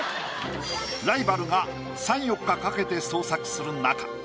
ライバルが３４日かけて創作する中